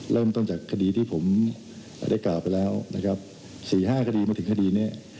เริ่มต้นจากคดีที่ผมได้กล่าวไปแล้วนะครับ๔๕คดีมาถึงคดีนี้